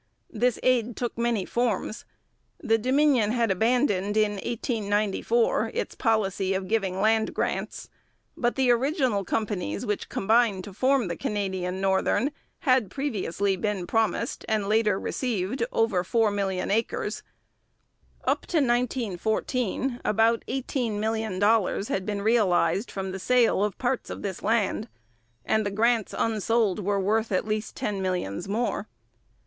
This aid took many forms. The Dominion had abandoned in 1894 its policy of giving land grants, but the original companies which combined to form the Canadian Northern had previously been promised and later received over four million acres: up to 1914 about eighteen million dollars had been realized from the sale of parts of this land, and the grants unsold were worth at least ten millions more.